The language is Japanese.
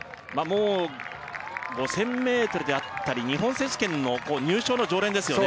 もう５０００ｍであったり日本選手権の入賞の常連ですよね